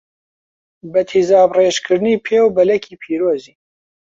بە تیزابڕێژکردنی پێ و بەلەکی پیرۆزی